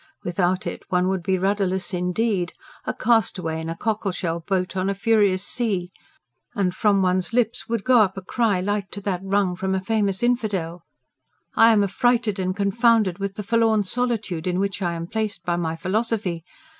Without it, one would be rudderless indeed a castaway in a cockleshell boat on a furious sea and from one's lips would go up a cry like to that wrung from a famous infidel: "I am affrighted and confounded with the forlorn solitude in which I am placed by my philosophy